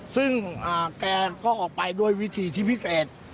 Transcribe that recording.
ซึ่งแกก็ออกไปด้วยวิธีที่พิเศษ